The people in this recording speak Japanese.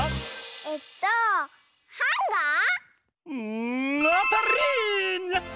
えっとハンガー？んあたりニャ！